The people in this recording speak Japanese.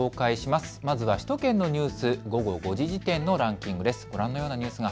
まずは首都圏のニュース午後５時時点のランキングです。